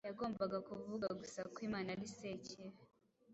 Yagombaga kuvuga gusa ko Imana ari Sekibi,